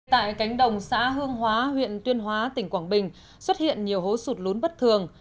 tại cánh đồng xã hương hóa huyện tuyên hóa tỉnh quảng bình xuất hiện nhiều hố sụt lún bất thường